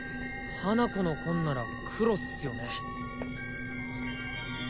花子の本なら黒っすよね